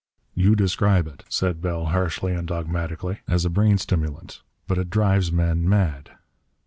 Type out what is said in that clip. "You describe it," said Bell harshly and dogmatically, "as a brain stimulant. But it drives men mad."